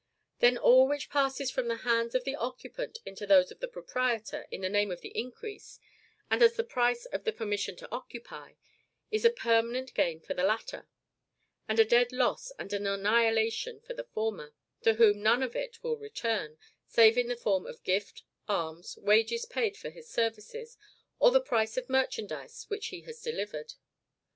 Then, all which passes from the hands of the occupant into those of the proprietor in the name of increase, and as the price of the permission to occupy, is a permanent gain for the latter, and a dead loss and annihilation for the former; to whom none of it will return, save in the forms of gift, alms, wages paid for his services, or the price of merchandise which he has delivered.